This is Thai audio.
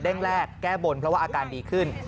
แรกแก้บนเพราะว่าอาการดีขึ้น